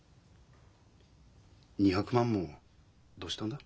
２００万もどうしたんだ？